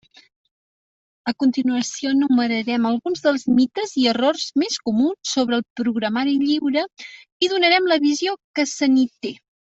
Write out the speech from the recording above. A continuació enumerarem alguns dels mites i errors més comuns sobre el programari lliure i donarem la visió que se n'hi té.